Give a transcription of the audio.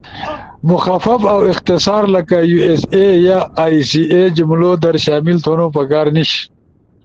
مخفف اؤ اختصار لکہ ”یو ایس اے“ یا ”ائی سی اے“ جملؤ در شامل تھونو پکار نیِش۔